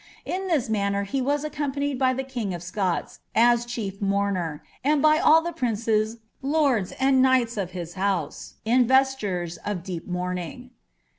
In this maimer he was Bcrom— pniiied by the king of Scott, as chief mmirner,' and by all ihp princpr,, ionls, anil hnights of his house, in rrstures of deep mourriii t